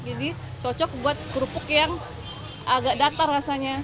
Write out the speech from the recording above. jadi cocok buat kerupuk yang agak datar rasanya